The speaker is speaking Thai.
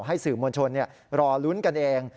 ให้สื่อมวลชนรอลุ้นกันเอง